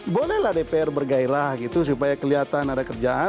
bolehlah dpr bergairah gitu supaya kelihatan ada kerjaan